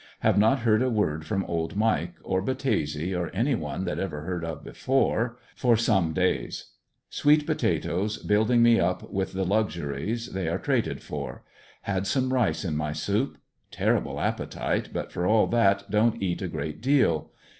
Have not heard a word from old Mike, or Battese or any one that ever heard of before, for some days* Sweet pota toes building me up with the luxuries they are traded for. Had some rice in my soup. Terrible appetite, but for all that don't eat a great deal.